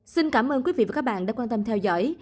xin cảm ơn quý vị và các bạn đã quan tâm theo dõi